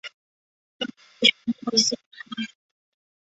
张贵战败被杀。